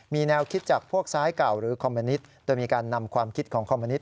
มีแนวคิดจากพวกซ้ายเก่าหรือคอมเมนิตโดยมีการนำความคิดของคอมมนิต